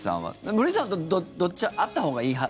古市さんはどっちあったほうがいい派？